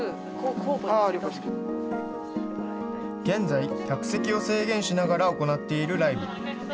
現在、客席を制限しながら行っているライブ。